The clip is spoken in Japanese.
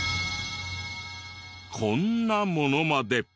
こんなものまで。